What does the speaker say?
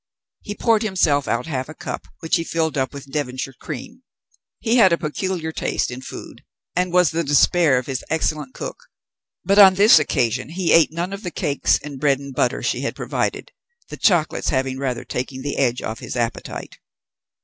He poured himself out half a cup, which he filled up with Devonshire cream. He had a peculiar taste in food, and was the despair of his excellent cook, but on this occasion he ate none of the cakes and bread and butter she had provided, the chocolates having rather taken the edge off his appetite.